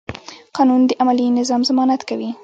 قانون د عملي نظم ضمانت کوي.